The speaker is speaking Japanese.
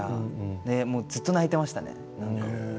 ずっと泣いていましたね。